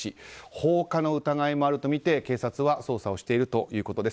放火の疑いもあるとみて警察は捜査しているということです。